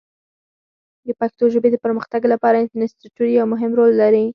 د پښتو ژبې د پرمختګ لپاره انسټیټوت یو مهم رول لري.